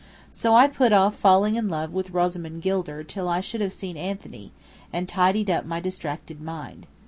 So I put off falling in love with Rosamond Gilder till I should have seen Anthony, and tidied up my distracted mind.